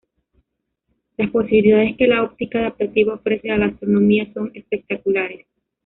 Las posibilidades que la óptica adaptativa ofrece a la astronomía son espectaculares.